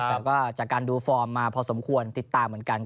แต่ก็จากการดูฟอร์มมาพอสมควรติดตามเหมือนกัน